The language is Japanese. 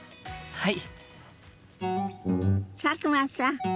はい。